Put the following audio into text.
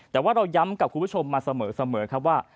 แต่ว่าเราย้ำกับคุณผู้ชมมาเสมอครับว่า